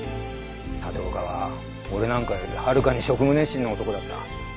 立岡は俺なんかよりはるかに職務熱心な男だった。